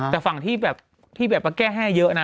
แต่ฝั่งที่แบบแก้แห้เยอะนะ